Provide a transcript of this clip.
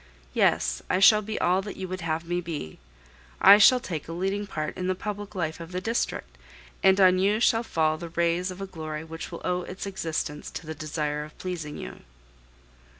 Yes, I shall be all that you would have me. I shall take a leading part in the public life of the district, and on you shall fall the rays of a glory which will owe its existence to the desire of pleasing you."